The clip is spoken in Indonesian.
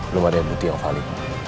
belum ada bukti yang valid